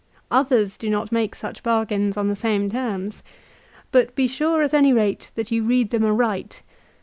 Others do not make such bargains on the same terms. But be sure at any rate that you read them aright.